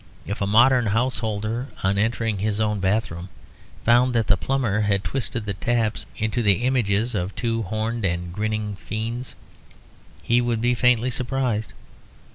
If a modern householder, on entering his own bathroom, found that the plumber had twisted the taps into the images of two horned and grinning fiends, he would be faintly surprised.